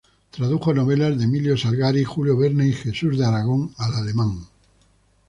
Tradujo novelas de Emilio Salgari, Julio Verne y jesús de Aragón al alemán.